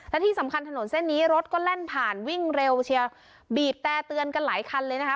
และที่สำคัญถนนเส้นนี้รถก็แล่นผ่านวิ่งเร็วเชียวบีบแต่เตือนกันหลายคันเลยนะคะ